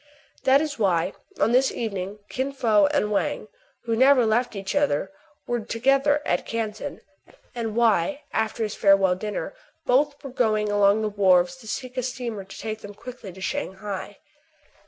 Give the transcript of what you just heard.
That is why, on this evening, Kin Fo and Wang, who never left each other, were together at Can ton, and why, after this farewell dinner, both were going along the wharves to seek a steamer to take them quickly to Shang hai.